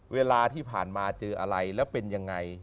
เวลาที่ผ่านมาเจออะไรแล้วเป็นยังไง